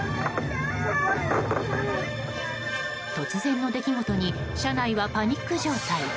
突然の出来事に車内はパニック状態。